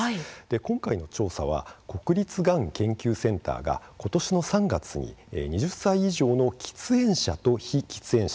今回の調査は国立がん研究センターがことしの３月に２０歳以上の喫煙者と非喫煙者